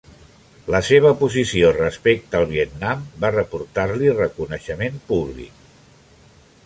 La seva posició respecte a Vietnam va reportar-li reconeixement públic.